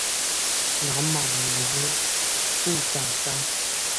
南马农布管辖。